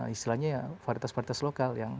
istilahnya ya varitas varitas lokal yang